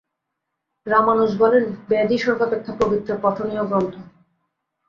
রামানুজ বলেন, বেদই সর্বাপেক্ষা পবিত্র পঠনীয় গ্রন্থ।